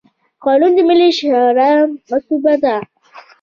قانون د ملي شورا مصوبه ده.